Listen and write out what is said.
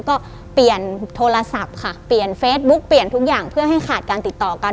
ก็เปลี่ยนโทรศัพท์ค่ะเปลี่ยนเฟซบุ๊กเปลี่ยนทุกอย่างเพื่อให้ขาดการติดต่อกัน